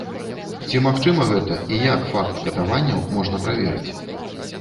Ці магчыма гэта і як факт катаванняў можна праверыць?